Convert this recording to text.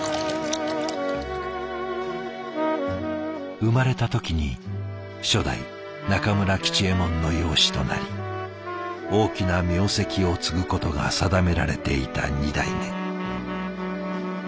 生まれた時に初代中村吉右衛門の養子となり大きな名跡を継ぐことが定められていた二代目。